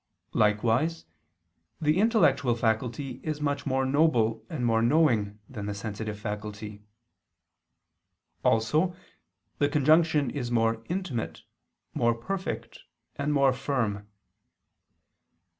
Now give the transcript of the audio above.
Likewise the intellectual faculty is much more noble and more knowing than the sensitive faculty. Also the conjunction is more intimate, more perfect and more firm.